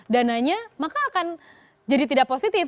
dananya maka akan jadi tidak positif